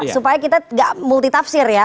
supaya kita tidak multi tafsir ya